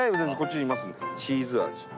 チーズ味。